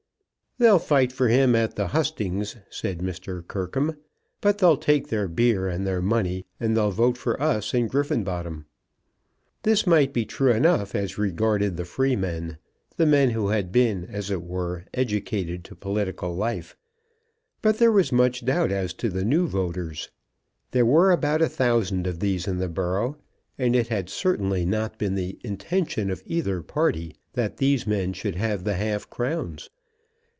"They'll fight for him at the hustings," said Mr. Kirkham; "but they'll take their beer and their money, and they'll vote for us and Griffenbottom." This might be true enough as regarded the freemen, the men who had been, as it were, educated to political life; but there was much doubt as to the new voters. There were about a thousand of these in the borough, and it had certainly not been the intention of either party that these men should have the half crowns.